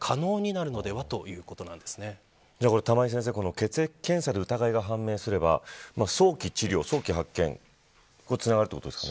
血液検査で疑いが判明すれば早期治療、早期発見につながるということですか。